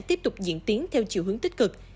tiếp tục diễn tiến theo chiều hướng tích cực